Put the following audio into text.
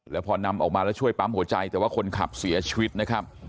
แล้วพอนำออกมาแล้วช่วยปั๊มหัวใจแต่ว่าคนขับเสียชีวิตนะครับ